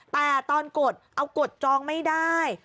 แต่ตอนกดเอากดจองไม่ได้